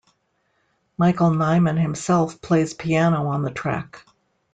Michael Nyman himself plays piano on the track.